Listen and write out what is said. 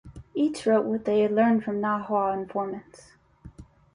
Each wrote what they learned from Nahua informants.